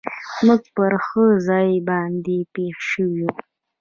موږ پر ښه ځای باندې پېښ شوي و.